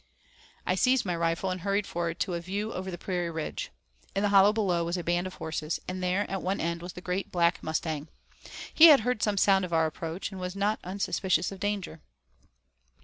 I seized my rifle, and hurried forward to a view over the prairie ridge. In the hollow below was a band of horses, and there at one end was the Great Black Mustang. He had heard some sound of our approach, and was not unsuspicious of danger.